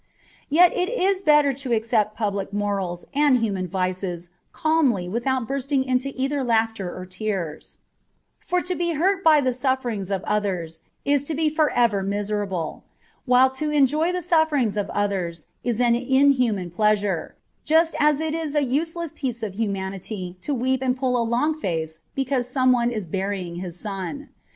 Yet it is better to accept public morals and human vices calmly without bursting into either laughter or tears ; for to be hurt by the sufferings of others is to be for ever miserable, while to enjoy the sufferings of others is an inhuman plea sure, just as it is a useless piece of humanity to weep and pull a long face because some one is burying his son.